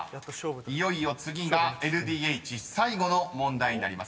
いよいよ次がＬＤＨ最後の問題になります］